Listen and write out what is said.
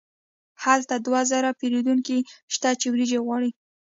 هلته دوه زره پیرودونکي شته چې وریجې غواړي.